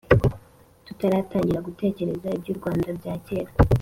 tutaratangira gutekereza iby’u rwanda bya cyera,